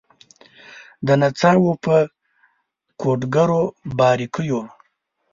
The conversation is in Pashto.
د نڅاوو په کوډګرو باریکېو